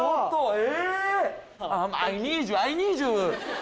え